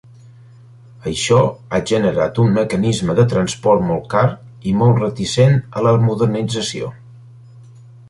Això ha generat un mecanisme de transport molt car i molt reticent a la modernització.